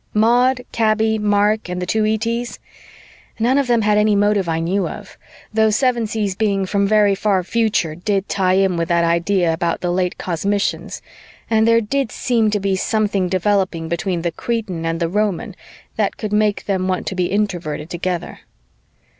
Maud, Kaby, Mark and the two ETs? None of them had any motive I knew of, though Sevensee's being from the very far future did tie in with that idea about the Late Cosmicians, and there did seem to be something developing between the Cretan and the Roman that could make them want to be Introverted together.